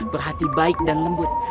berhati baik dan lembut